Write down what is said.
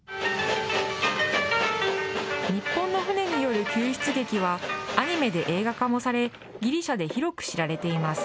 日本の船による救出劇は、アニメで映画化もされ、ギリシャで広く知られています。